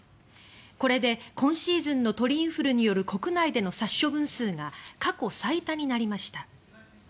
これで今シーズンの鳥インフルによる国内での殺処分数が過去最多になりました。